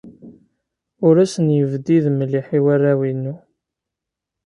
Ur asen-yebdid mliḥ i warraw-inu.